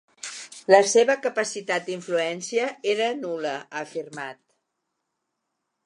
La seva capacitat d’influència era nul·la, ha afirmat.